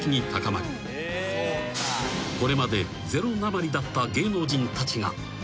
［これまでゼロなまりだった芸能人たちが］